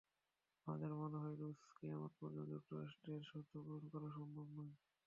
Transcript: আমার মনে হয়, রোজ কেয়ামত পর্যন্ত যুক্তরাষ্ট্রের শর্ত পূরণ করা সম্ভব নয়।